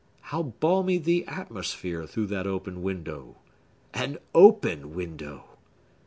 How balmy the atmosphere through that open window! An open window!